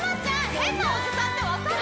変なおじさんって分かる？